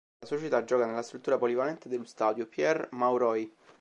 La società gioca nella struttura polivalente dello stadio Pierre-Mauroy.